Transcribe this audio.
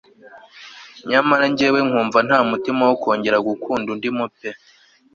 nyamara njyewe nkumva ntamutima wo kongera gukunda undimo pe